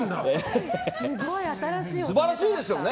素晴らしいですよね